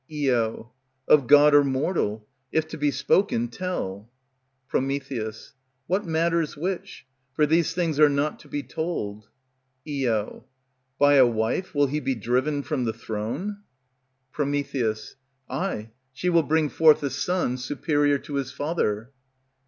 Io. Of god or mortal? If to be spoken, tell. Pr. What matters which? For these things are not to be told. Io. By a wife will he be driven from the throne? Pr. Ay, she will bring forth a son superior to his father.